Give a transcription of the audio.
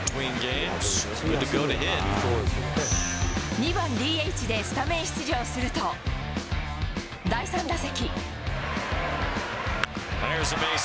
２番ＤＨでスタメン出場すると、第３打席。